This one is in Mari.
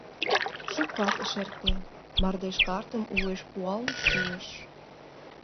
Шукат ыш эрте — мардеж картым уэш пуал шуыш.